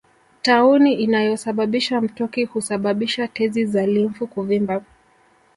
Tauni inayosababisha mtoki husababisha tezi za limfu kuvimba